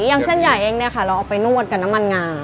อย่างเส้นใหญ่เองเนี่ยค่ะเราเอาไปนวดกับน้ำมันงา